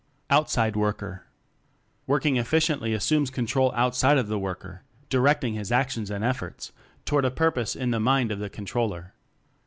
Outside Worker "Working Efficiently" assumes control outside of the worker, direct ing his actions and efforts toward a purpose in the mind of the con troller.